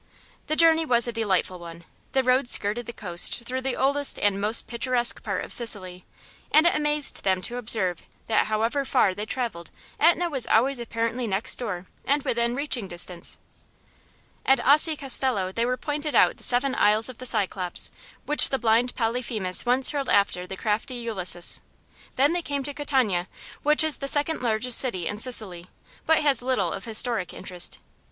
The journey was a delightful one. The road skirted the coast through the oldest and most picturesque part of Sicily, and it amazed them to observe that however far they travelled Etna was always apparently next door, and within reaching distance. At Aci Castello they were pointed out the seven Isles of the Cyclops, which the blind Polyphemus once hurled after the crafty Ulysses. Then they came to Catania, which is the second largest city in Sicily, but has little of historic interest.